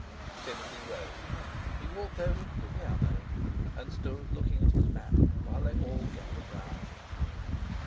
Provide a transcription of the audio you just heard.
Timothy rose. He walked over to the piano, and stood looking at his map while they all gathered round.